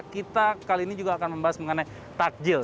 kita kali ini juga akan membahas mengenai takjil